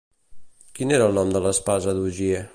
Quin era el nom de l'espasa d'Ogier?